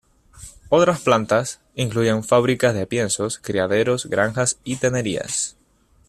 Otras plantas incluyen fábricas de piensos, criaderos, granjas y tenerías.